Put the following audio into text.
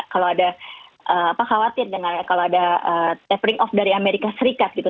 kalau ada khawatir dengan kalau ada tapering off dari amerika serikat gitu